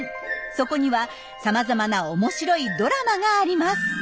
そこにはさまざまな面白いドラマがあります。